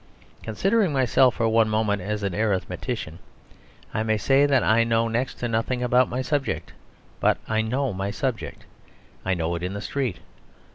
Considering myself for one moment as an arithmetician, I may say that I know next to nothing about my subject: but I know my subject. I know it in the street.